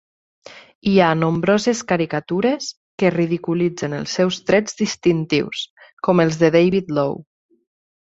Hi ha nombroses caricatures que ridiculitzen els seus trets distintius, com els de David Low.